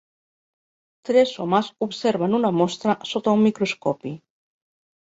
Tres homes observen una mostra sota un microscopi.